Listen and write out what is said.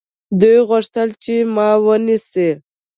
دوی غوښتل چې ما ونیسي.